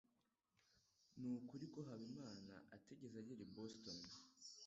Nukuri ko Habimana atigeze agera i Boston?